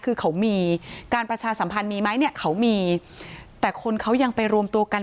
คือเขามีการประชาสัมพันธ์มีไหมเนี่ยเขามีแต่คนเขายังไปรวมตัวกัน